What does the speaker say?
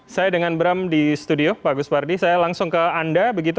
saya dengan bram di studio pak gus pardi saya langsung ke anda begitu